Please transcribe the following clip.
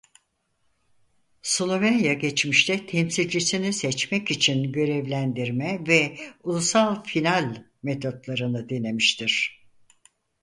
Slovenya geçmişte temsilcisini seçmek için Görevlendirme ve Ulusal Final metodlarını denemiştir.